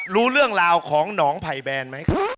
รู้เรื่องราวของหนองไผ่แบนไหม